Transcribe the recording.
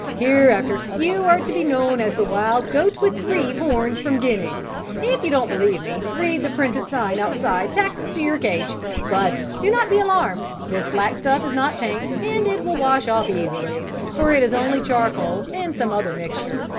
Hereafter you are to be known as the wild goat with three horns from Guinea. If you don't believe me, read the printed sign outside tacked to your cage, but do not be alarmed, this black stuff is not paint and it will wash off easily, for it is only charcoal and some other mixture.